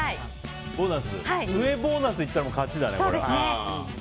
上ボーナスいったら勝ちだね。